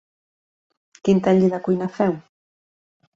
Quin taller de cuina feu?